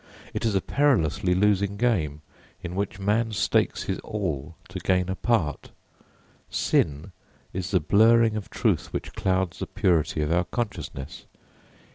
It is a perilously losing game, in which man stakes his all to gain a part. Sin is the blurring of truth which clouds the purity of our consciousness.